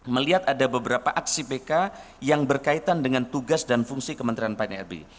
melihat ada beberapa aksi pk yang berkaitan dengan tugas dan fungsi kementerian pan rb